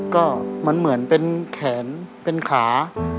ก็มันเหมือนเป็นแขนเป็นขา